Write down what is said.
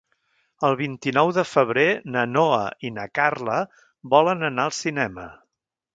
El vint-i-nou de febrer na Noa i na Carla volen anar al cinema.